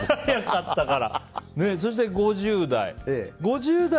そして、５０代。